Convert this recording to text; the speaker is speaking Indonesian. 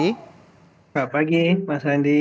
selamat pagi mas andi